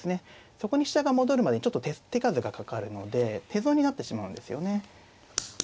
そこに飛車が戻るまでちょっと手数がかかるので手損になってしまうんですよね。